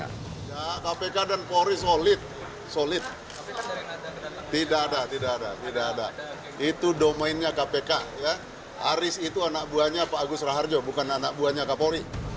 kpk dan polri solid tidak ada itu domainnya kpk aris itu anak buahnya pak agus raharjo bukan anak buahnya kak polri